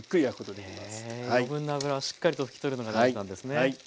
へえ余分な脂をしっかりと拭き取るのが大事なんですね。